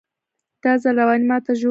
دا ځل رواني ماته ژوره شوه